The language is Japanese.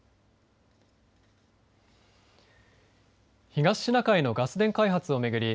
東シナ海のガス田開発を巡り